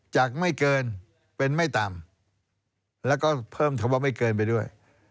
ไม่เกินเป็นไม่ต่ำแล้วก็เพิ่มคำว่าไม่เกินไปด้วย